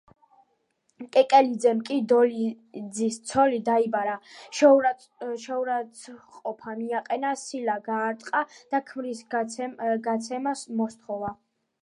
კეკელიძემ კი დოლიძის ცოლი დაიბარა, შეურაცხყოფა მიაყენა, სილა გაარტყა და ქმრის გაცემა მოსთხოვა.